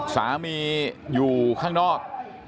สามีอยู่ข้างนอก